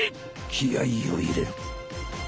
気合いを入れる。